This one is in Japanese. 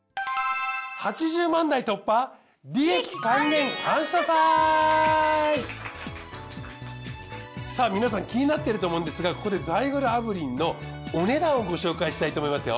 ８０万台突破さあ皆さん気になってると思うんですがここでザイグル炙輪のお値段をご紹介したいと思いますよ。